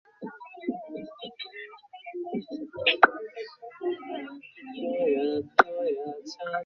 এখনো ট্রেনটা ধরে কিয়োটো স্টেশনে যাবে।